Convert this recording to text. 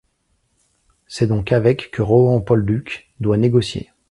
C'est donc avec que Rohan-Polduc doit négocier.